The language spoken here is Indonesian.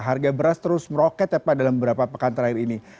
harga beras terus meroket ya pak dalam beberapa pekan terakhir ini